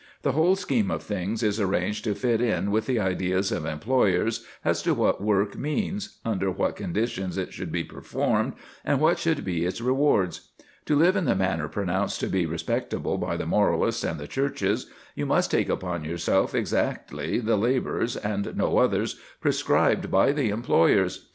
The whole scheme of things is arranged to fit in with the ideas of employers as to what work means, under what conditions it should be performed, and what should be its rewards. To live in the manner pronounced to be respectable by the moralists and the Churches, you must take upon yourself exactly the labours, and no others, prescribed by the employers.